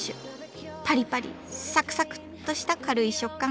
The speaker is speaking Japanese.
パリパリサクサクッとした軽い食感。